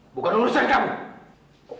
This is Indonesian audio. bukan urusan kamu